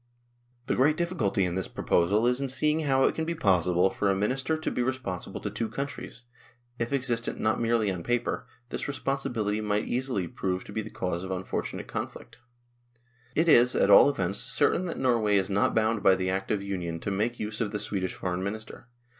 The great difficulty in this proposal is in seeing how it can be possible for a 58 NORWAY AND THE UNION WITH SWEDEN minister to be responsible to two countries ; if ex istent not merely on paper, this responsibility might easily prove to be the cause of unfortunate conflict. It is, at all events, certain that Norway is not bound by the Act of Union to make use of the Swedish Foreign Minister.